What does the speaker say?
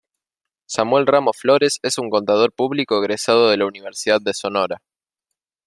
Samuel Ramos Flores es Contador Público egresado de la Universidad de Sonora.